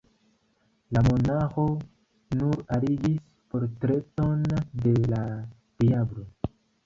La monaĥo nur aligis portreton de la diablo.